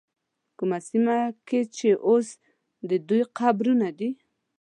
کومه سیمه کې چې اوس د دوی قبرونه دي.